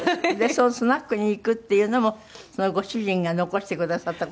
そのスナックに行くっていうのもご主人が残してくださった事。